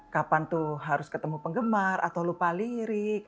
kapan tuh harus ketemu penggemar atau lupa lirik